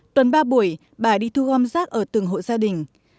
tuần ba buổi bà đi thu gom rác ở từng hộ gia đình